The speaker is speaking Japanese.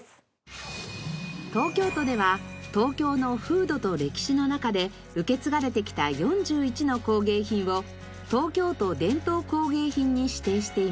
東京都では東京の風土と歴史の中で受け継がれてきた４１の工芸品を東京都伝統工芸品に指定しています。